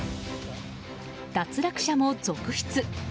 脱落者も続出。